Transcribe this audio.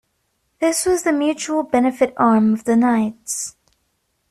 This was the mutual benefit arm of the Knights.